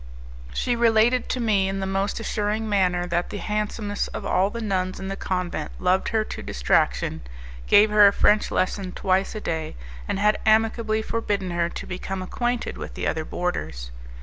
She related to me in the most assuring manner that the handsomest of all the nuns in the convent loved her to distraction, gave her a French lesson twice a day, and had amicably forbidden her to become acquainted with the other boarders.